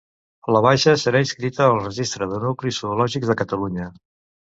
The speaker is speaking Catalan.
La baixa serà inscrita al Registre de nuclis zoològics de Catalunya.